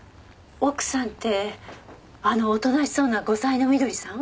奥さんってあのおとなしそうな後妻のみどりさん？